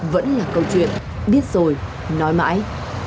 vẫn là câu chuyện biết rồi nói mãi